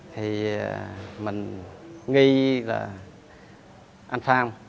thì mình nghi là anh phong